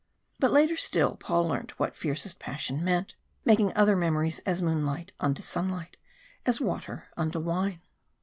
But later still Paul learnt what fiercest passion meant, making other memories as moonlight unto sunlight as water unto wine.